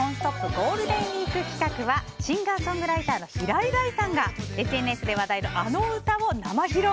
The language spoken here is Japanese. ゴールデンウィーク特別企画はシンガーソングライターの平井大さんがＳＮＳで話題のあの歌を生披露。